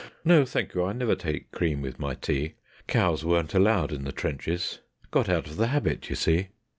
(No, thank you; I never take cream with my tea; Cows weren't allowed in the trenches got out of the habit, y'see.)